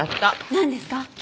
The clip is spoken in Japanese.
なんですか？